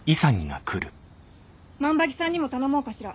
万場木さんにも頼もうかしら。